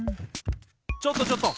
・ちょっとちょっと！